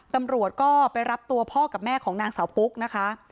ตำรวจก็ไปรับตัวพ่อกับแม่ของนางสาวปุ๊กนะคะ